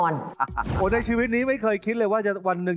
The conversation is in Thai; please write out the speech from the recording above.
ในชีวิตนี้ไม่เคยคิดเลยว่าจะวันหนึ่ง